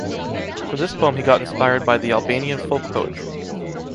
For this poem he got inspired by the Albanian folk poetry.